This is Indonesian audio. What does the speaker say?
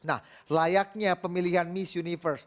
nah layaknya pemilihan miss universe